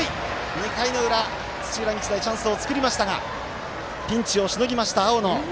２回の裏、土浦日大チャンスを作りましたがピンチをしのぎました、青野。